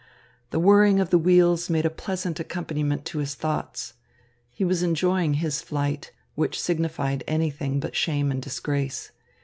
The whirring of the wheels made a pleasant accompaniment to his thoughts. He was enjoying his flight, which signified anything but shame and disgrace.